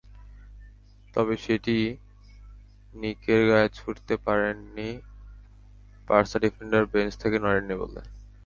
তবে সেটি পিকের গায়ে ছুড়তে পারেননি, বার্সা ডিফেন্ডার বেঞ্চ থেকে নড়েননি বলে।